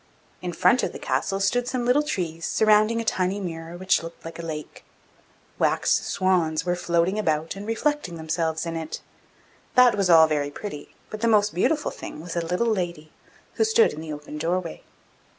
In front of the castle stood some little trees surrounding a tiny mirror which looked like a lake. Wax swans were floating about and reflecting themselves in it. That was all very pretty; but the most beautiful thing was a little lady, who stood in the open doorway.